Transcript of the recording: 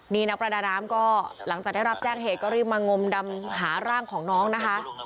นี่นักประดาน้ำก็หลังจากได้รับแจ้งเหตุก็รีบมางมดำหาร่างของน้องนะคะ